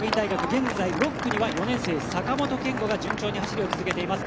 現在６区には４年生、坂本健悟が順調に走りを続けています。